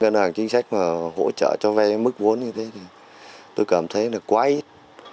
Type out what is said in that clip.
ngân hàng chính sách mà hỗ trợ cho vay mức vốn như thế thì tôi cảm thấy là quá ít